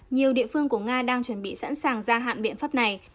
nhiều địa phương của nga đang chuẩn bị sẵn sàng gia hạn biện pháp này